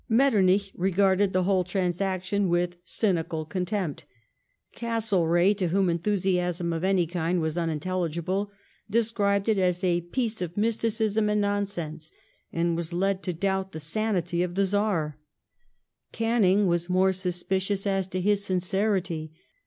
Metternich regarded the whole trans action with cynical contempt ; Castlereagh, to whom enthusiasm of any kind was unintelligible, described it as a " piece of mysticism and nonsense," and was led to doubt the sanity of the Czar ; Canning was more suspicious as to his sincerity.